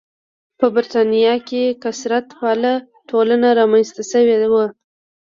په برېټانیا کې کثرت پاله ټولنه رامنځته شوې وه.